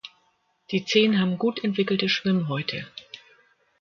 Die Zehen haben gut entwickelte Schwimmhäute.